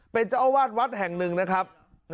เป็นเจ้าอาวาสวัดแห่งหนึ่งนะครับ